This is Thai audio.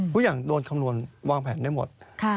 ทุกอย่างโดนคำนวณวางแผนได้หมด